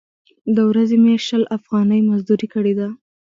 د ورځې مې شل افغانۍ مزدورۍ کړې ده.